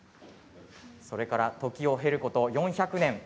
それから時を経ること４００年